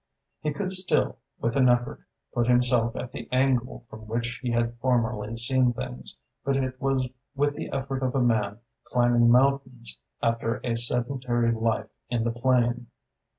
He could still, with an effort, put himself at the angle from which he had formerly seen things; but it was with the effort of a man climbing mountains after a sedentary life in the plain.